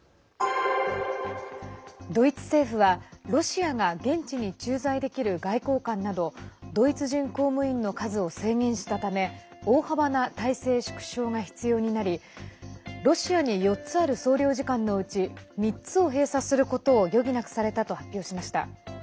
ドイツ政府はロシアが現地に駐在できる外交官などドイツ人公務員の数を制限したため大幅な体制縮小が必要になりロシアに４つある総領事館のうち３つを閉鎖することを余儀なくされたと発表しました。